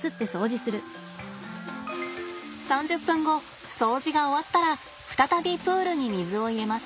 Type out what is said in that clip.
３０分後掃除が終わったら再びプールに水を入れます。